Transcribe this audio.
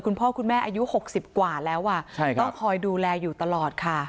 คุณพ่อคุณแม่อายุ๖๐กว่าแล้วต้องคอยดูแลอยู่ตลอดค่ะ